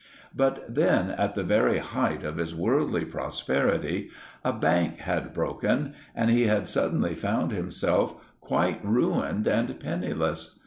But then, at the very height of his worldly prosperity, a bank had broken and he had suddenly found himself quite ruined and penniless.